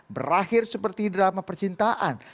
berakhir seperti drama percintaan